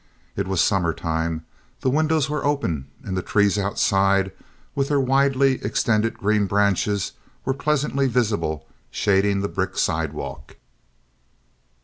It was summer time, the windows were open, and the trees outside, with their widely extended green branches, were pleasantly visible shading the brick sidewalk.